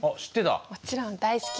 もちろん大好き。